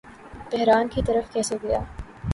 بحران کی طرف کیسے گیا